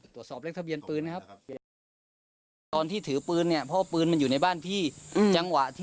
ตรวจสอบเลขทเรียนปืนนะครับตอนที่ถือปืนเนี่ย